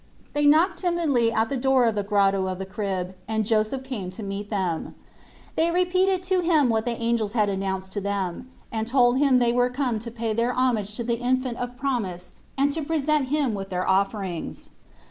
They knocked timidly at the door of the Grotto of the Crib and Joseph came to meet them. They repeated to him what the angels had announced to them, and told him that they were come to pay their homage to the infant of promise 6 98 Ube IRatixnts of and to present Him with their offerings.